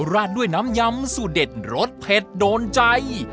ราดด้วยน้ำยำสูตรเด็ดรสเผ็ดโดนใจ